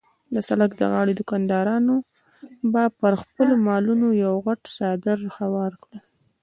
د سړک د غاړې دوکاندارانو به پر خپلو مالونو یو غټ څادر هوار کړ.